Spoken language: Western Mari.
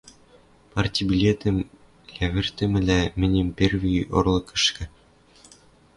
парти билетӹм лявӹртӹмӹлӓ, мӹньӹм перви орлыкышкы